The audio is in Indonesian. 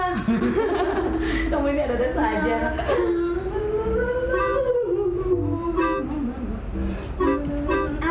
hahaha kamu ini ada rasa aja